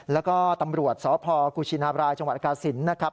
แล้วก็ตำรวจสพกุชินาบรายจังหวัดกาศิลป์นะครับ